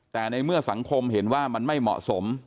แต่ในเมื่อสังคมเห็นว่ามันไม่เหมาะสม